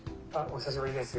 お久しぶりです。